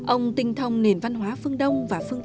ông tinh thông nền văn hóa phương đông và phương tây